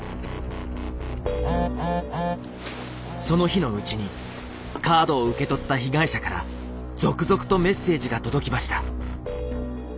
その日のうちにカードを受け取った被害者から続々とメッセージが届きました。